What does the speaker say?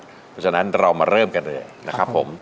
เพราะฉะนั้นเรามาเริ่มกันเลยนะครับผม